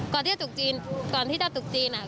ก่อนที่จะตกจีนก่อนที่จะตกจีนอ่ะ